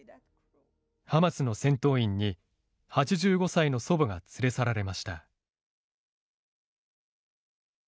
ハマスの戦闘員に８５歳の祖母が連れ去られました。